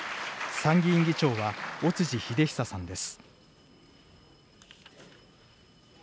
参議院議長は尾辻秀久さんです。